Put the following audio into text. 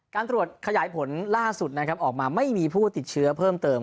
การตรวจขยายผลล่าสุดนะครับออกมาไม่มีผู้ติดเชื้อเพิ่มเติม